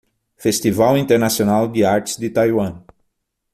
Festival Internacional de Artes de Taiwan